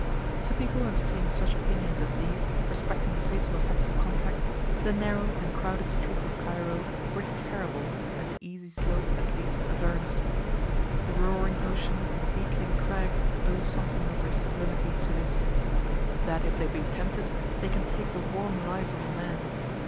To people entertaining such opinions as these respecting the fatal effect of contact, the narrow and crowded streets of Cairo were terrible as the easy slope that leads to Avernus. The roaring ocean and the beetling crags owe something of their sublimity to this—that if they be tempted, they can take the warm life of a man.